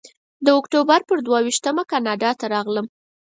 د اکتوبر پر دوه ویشتمه کاناډا ته راغلم.